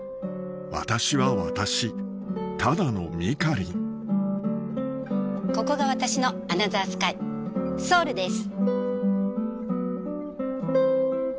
私は私ただのミカりんここが私のアナザースカイソウルです。